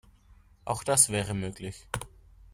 Auch das wäre möglich.